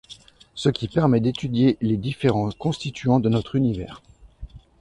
Ce qui permet d'étudier les différents constituants de notre univers.